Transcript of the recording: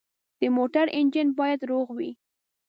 د موټر انجن باید روغ وي.